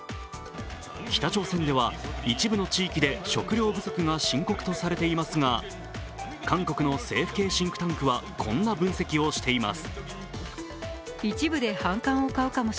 北朝鮮では一部の地域で食糧不足が深刻とされていますが韓国の政府系シンクタンクはこんな分析をしています。